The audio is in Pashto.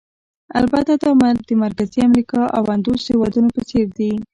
البته دا د مرکزي امریکا او اندوس هېوادونو په څېر دي.